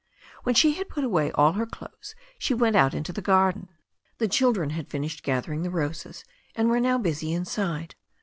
When she had put away all her clothes she went out into the garden. The children had finished gathering the roses, and were now busy inside.